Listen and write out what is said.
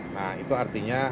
nah itu artinya